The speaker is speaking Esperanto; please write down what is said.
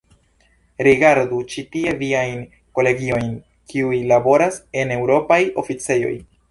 Rigardu ĉi tie viajn kolegojn kiuj laboras en eŭropaj oficejoj.